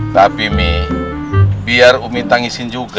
tapi mie biar umi tangisin juga